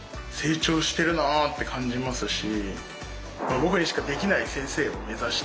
僕にしかできない先生を目指して。